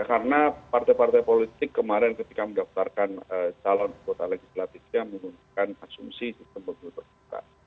karena partai partai politik kemarin ketika mendaftarkan calon anggota legislatifnya menggunakan asumsi sistem pemilih tertutup